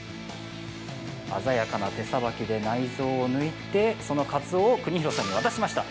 鮮やかな手さばきで内臓を抜いてその、かつおを邦裕さんに渡しました。